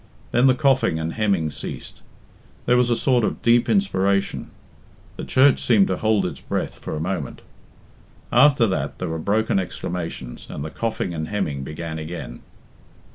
Then the coughing and hemming ceased; there was a sort of deep inspiration; the church seemed to hold its breath for a moment. After that there were broken exclamations, and the coughing and hemming began again.